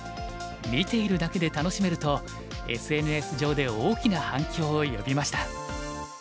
「見ているだけで楽しめる」とＳＮＳ上で大きな反響を呼びました。